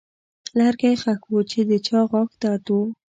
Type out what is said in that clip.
لرګی ښخ و چې د چا غاښ درد و.